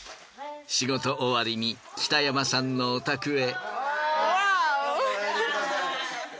仕事終わりに北山さんのお宅へ。